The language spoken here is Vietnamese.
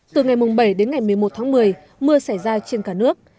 từ ngày bảy đến ngày một mươi một tháng một mươi mưa xảy ra trên cả nước